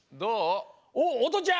おっおとちゃん！